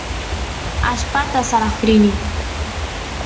allpata saroq rini